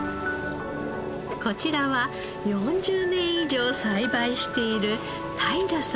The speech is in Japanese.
こちらは４０年以上栽培している太平さん夫妻。